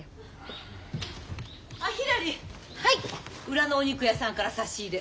裏のお肉屋さんから差し入れ。